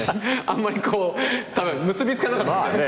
あんまり結びつかなかったんじゃ。